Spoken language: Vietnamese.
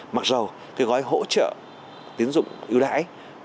mặc dù gói hỗ trợ tiến dụng yếu đải